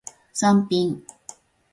サンピン